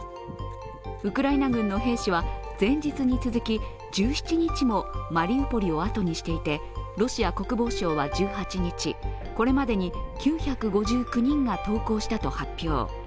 ウクライナ軍の兵士は前日に続き１７日もマリウポリをあとにしていて、ロシア国防省は１８日、これまでに９５９人が投降したと発表。